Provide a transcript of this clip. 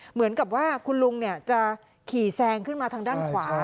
เหมือนกับว่าคุณลุงจะขี่แซงขึ้นมาทางด้านขวา